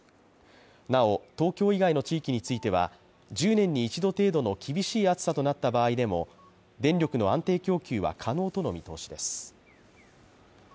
なお、東京以外の地域については、１０年に一度程度の厳しい暑さとなった場合でも電力の安定供給は可能との見通しです。